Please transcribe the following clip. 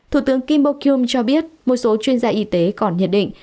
thủ tướng kim bok yum cho biết một số chuyên gia y tế còn nhận định